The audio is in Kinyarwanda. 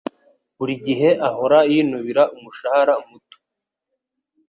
Buri gihe ahora yinubira umushahara muto.